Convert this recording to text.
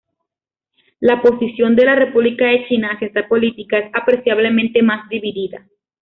La posición de la República de China hacia esta política es apreciablemente más dividida.